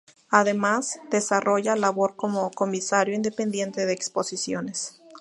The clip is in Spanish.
Además, desarrolla labor como comisario independiente de exposiciones.